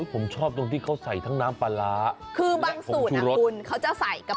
ผมชอบตรงที่เขาใส่ทั้งน้ำปลาร้า